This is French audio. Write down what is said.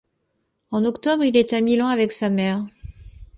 En octobre, il est à Milan avec sa mère.